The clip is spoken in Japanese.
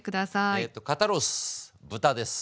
えっと肩ロース豚です。